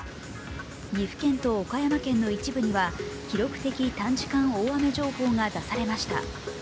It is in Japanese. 岐阜県と岡山県の一部には記録的短時間大雨情報が出されました。